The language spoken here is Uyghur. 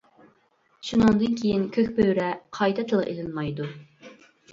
شۇنىڭدىن كېيىن كۆك بۆرە قايتا تىلغا ئېلىنمايدۇ.